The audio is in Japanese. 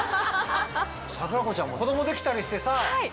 桜子ちゃんも子供できたりしてさ。